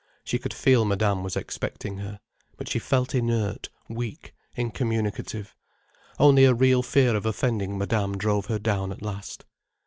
She could feel Madame was expecting her. But she felt inert, weak, incommunicative. Only a real fear of offending Madame drove her down at last.